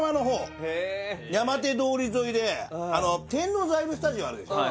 山手通り沿いで天王洲スタジオあるでしょ？